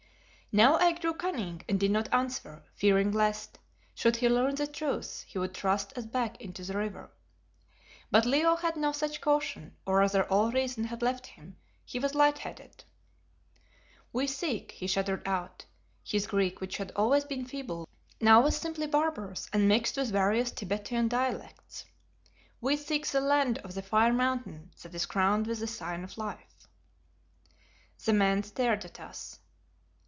Now I grew cunning and did not answer, fearing lest, should he learn the truth, he would thrust us back into the river. But Leo had no such caution, or rather all reason had left him; he was light headed. "We seek," he stuttered out his Greek, which had always been feeble, now was simply barbarous and mixed with various Thibetan dialects "we seek the land of the Fire Mountain that is crowned with the Sign of Life." The man stared at us.